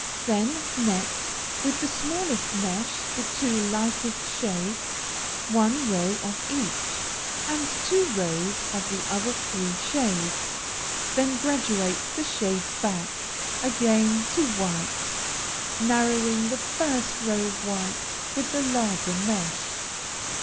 Then net with the smallest mesh the two lightest shades, one row of each, and two rows of the other three shades. Then graduate the shades back again to white, narrowing the first row of white with the larger mesh.